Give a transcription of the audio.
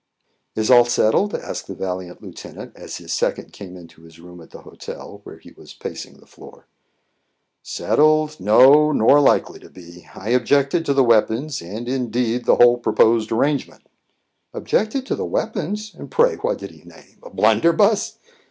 "Is all settled?" asked the valiant lieutenant, as his second came into his room at the hotel, where he was pacing the floor. "Settled? No; nor likely to be. I objected to the weapons, and, indeed, the whole proposed arrangement." "Objected to the weapons! And, pray, what did he name? A blunderbuss?"